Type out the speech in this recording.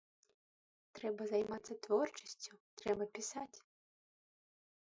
Трэба займацца творчасцю, трэба пісаць!